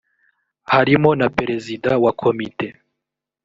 harimo na perezida wa komite